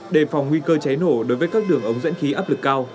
đề phòng nguy cơ cháy nổ đối với các đường ống dẫn khí áp lực cao